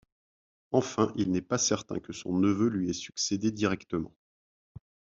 Enfin, il n'est pas certain que son neveu lui ait succédé directement.